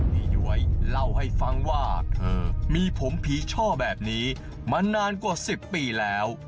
ย้วยเล่าให้ฟังว่าเธอมีผมผีช่อแบบนี้มานานกว่า๑๐ปีแล้ว